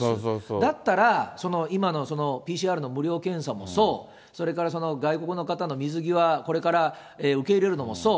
だったら、その今のＰＣＲの無料検査もそう、それから外国の方の水際、これから受け入れるのもそう。